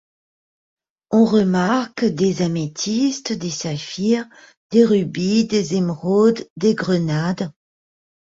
On remarque des améthystes, des saphirs, des rubis, des émeraudes, des grenades.